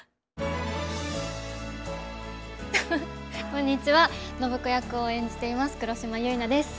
こんにちは暢子役を演じています黒島結菜です。